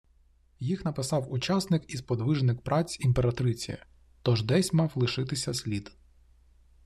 Їх написав учасник і сподвижник «праць» імператриці, тож десь мав лишитися слід